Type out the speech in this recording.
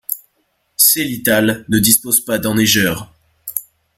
Selital ne dispose pas d'enneigeurs.